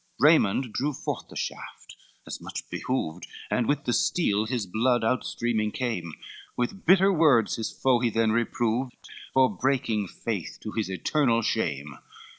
CIV Raymond drew forth the shaft, as much behoved, And with the steel, his blood out streaming came, With bitter words his foe he then reproved, For breaking faith, to his eternal shame.